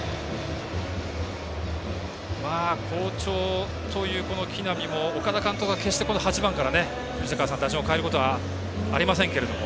好調という木浪も岡田監督は決して８番から打順を変えることはありませんけれども。